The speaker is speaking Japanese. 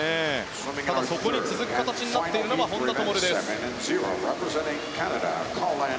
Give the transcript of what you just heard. ただ、そこに続く形になっているのは本多灯。